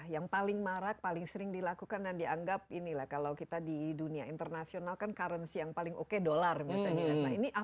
yang paling marak paling sering dilakukan dan dianggap ini lah kalau kita di dunia internasional kan currency yang paling oke dolar misalnya